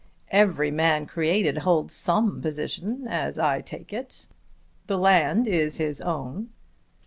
"Every man created holds some position as I take it. The land is his own."